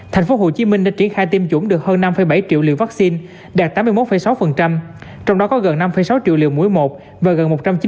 tp hcm đã triển khai tiêm chủng được hơn năm bảy triệu liều vaccine đạt tám mươi một sáu trong đó có gần năm sáu triệu liều mũi một và gần một trăm chín mươi liều mũi hai